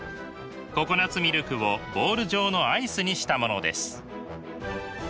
ココナツミルクをボール状のアイスにしたものです。